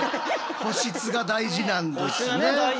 保湿がね大事なんだね。